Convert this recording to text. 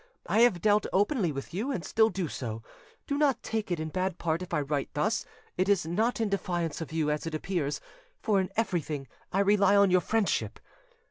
I have dealt openly with you, and still do so: do not take it in bad part if I write thus; it is not in defiance of you, as it appears, for in everything I rely on your friendship."